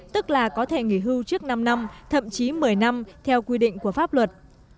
tức là có thể nghỉ hưu trước năm năm thậm chí một mươi năm theo quy định của pháp luật